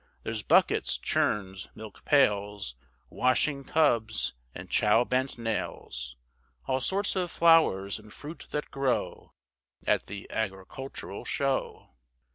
There's buckets, churns, milk pails, Washing tubs, and Chowbent nails; All sorts of flowers and fruit that grow, At the Agricultural Show.